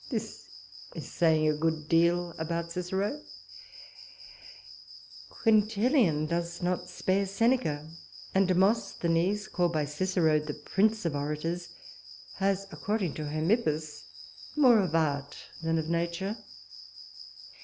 This is saying a good deal about Cicero. Quintilian does not spare Seneca; and Demosthenes, called by Cicero the prince of orators, has, according to Hermippus, more of art than of nature.